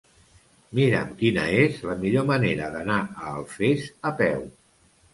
Mira'm quina és la millor manera d'anar a Alfés a peu.